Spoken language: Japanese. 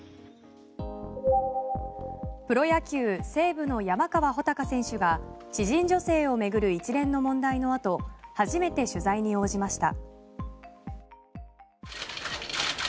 プロ野球西武の山川穂高選手が知人女性を巡る一連の問題のあと初めて取材に応じました。